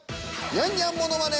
にゃんにゃんものまね。